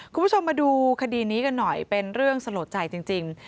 คุณผู้ชมมาดูคดีนี้กันหน่อยเป็นเรื่องสลดใจจริง